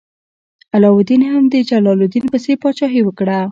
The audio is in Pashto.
علاوالدین هم د جلال الدین پسې پاچاهي وکړه.